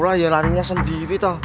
udah lah larinya sendiri toh